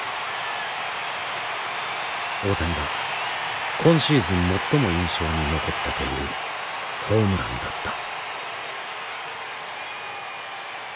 大谷が今シーズン最も印象に残ったというホームランだった。